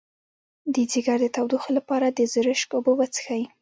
د ځیګر د تودوخې لپاره د زرشک اوبه وڅښئ